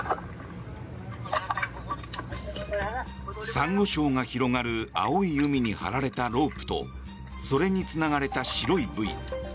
サンゴ礁が広がる青い海に張られたロープとそれにつながれた白いブイ。